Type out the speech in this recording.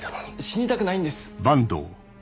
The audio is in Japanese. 死にたくないんです。